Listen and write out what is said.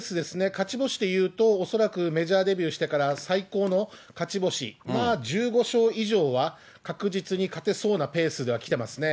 勝ち星でいうと、恐らくメジャーデビューしてから最高の勝ち星、まあ、１５勝以上は確実に勝てそうなペースできてますね。